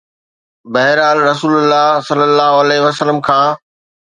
بهرحال، رسول الله ﷺ کان